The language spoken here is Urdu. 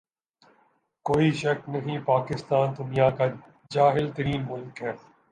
کوئی شک نہیں پاکستان دنیا کا جاھل ترین ملک ہے